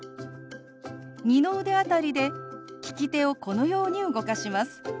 二の腕辺りで利き手をこのように動かします。